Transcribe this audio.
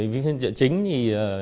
phiên chợ chính thì